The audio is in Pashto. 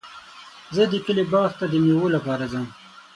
زه د کلي باغ ته د مېوو لپاره ځم.